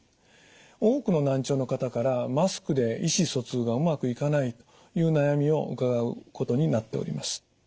多くの難聴の方からマスクで意思疎通がうまくいかないという悩みを伺うことになっております。